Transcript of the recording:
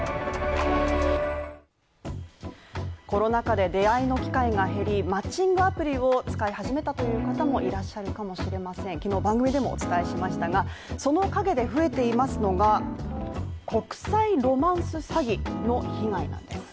コロナ禍で出会いの機会が減りマッチングアプリを使い始めたという方もいらっしゃるかもしれません昨日番組でもお伝えしましたが、そのおかげで増えていますのが、国際ロマンス詐欺の被害なんです